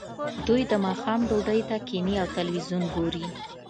دوی د ماښام ډوډۍ ته کیښني او تلویزیون ګوري